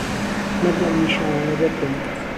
مەرجە ئەم نیشانانە دەرکەون